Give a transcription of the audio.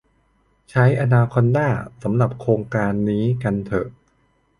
ใช้อนาคอนดาสำหรับโครงการนี้กันเถอะ